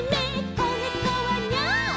こねこはニャー」